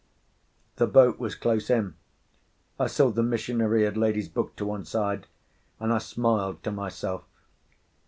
The boat was close in; I saw the missionary had laid his book to one side, and I smiled to myself.